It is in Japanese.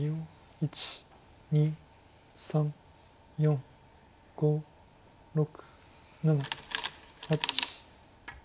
１２３４５６７８。